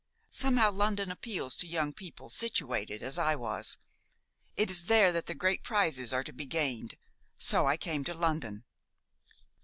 Somehow, London appeals to young people situated as I was. It is there that the great prizes are to be gained; so I came to London."